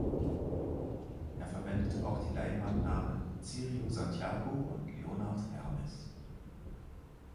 Er verwendet auch die Leinwandnamen: Cirio Santiago und Leonard Hermes.